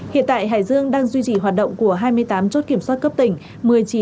hiện tại hải dương đang duy trì hoạt động của hai mươi tám chốt kiểm soát cấp tỉnh